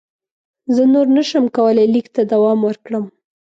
زه نور نه شم کولای لیک ته دوام ورکړم.